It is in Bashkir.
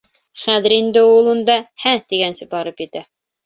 Хәҙер инде ул унда «һә!» тигәнсә барып етә!